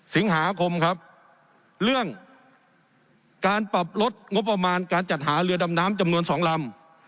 สิงหาคมครับเรื่องการปรับลดงบประมาณการจัดหาเรือดำน้ำจำนวน๒ลำ